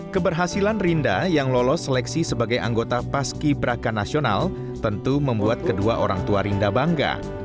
keberhasilan rinda yang lolos seleksi sebagai anggota paski braka nasional tentu membuat kedua orang tua rinda bangga